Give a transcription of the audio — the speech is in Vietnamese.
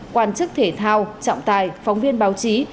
quan chức thể thao trọng tài phóng viên báo chí